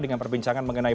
dengan perbincangan mengenai